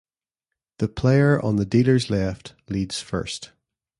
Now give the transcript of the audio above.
The player on the dealer's left leads first.